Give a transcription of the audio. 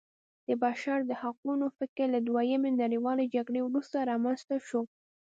د بشر د حقونو فکر له دویمې نړیوالې جګړې وروسته رامنځته شو.